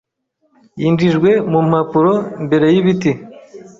Yinjijwe mu mpapuro mbere y'ibiti